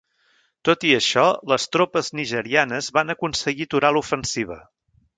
Tot i això, les tropes nigerianes van aconseguir aturar l'ofensiva.